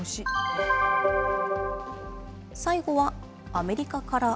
最後はアメリカから。